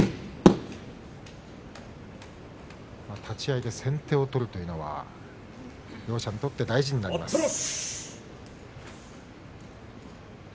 立ち合いで先手を取るというのは両者にとって大事になります。